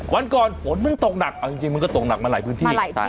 วันก่อนฝนมันตกหนักเอาจริงมันก็ตกหนักมาหลายพื้นที่